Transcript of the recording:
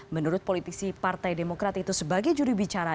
menurut politisi partai demokrat itu sebagai juri bicara